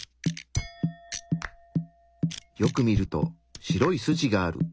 よく見ると白い筋がある。